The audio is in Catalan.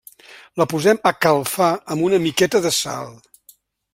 La posem a calfar amb una miqueta de sal.